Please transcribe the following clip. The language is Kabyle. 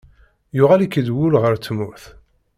Yuɣal-ik-id wul ɣer tmurt.